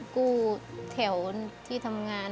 กู้แถวที่ทำงาน